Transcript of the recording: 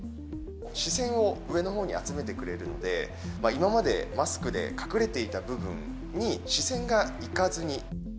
視線を上のほうに集めてくれるので、今までマスクで隠れていた部分に視線が行かずに。